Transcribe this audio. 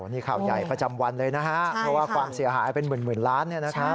นี่ข่าวใหญ่ประจำวันเลยนะฮะเพราะว่าความเสียหายเป็นหมื่นล้านเนี่ยนะครับ